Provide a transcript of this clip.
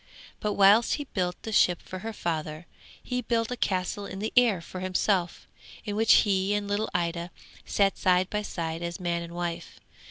But whilst he built the ship for her father, he built a castle in the air for himself, in which he and little Ida sat side by side as man and wife.